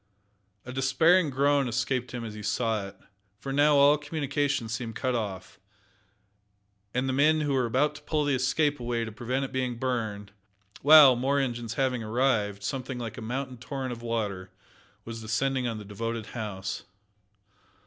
A despairing groan escaped him as he saw it, for now all communication seemed cut off, and the men were about to pull the Escape away to prevent its being burned, while, more engines having arrived, something like a mountain torrent of water was descending on the devoted house.